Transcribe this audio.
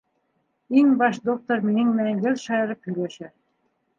Иң баш доктор минең менән гел шаярып һөйләшә.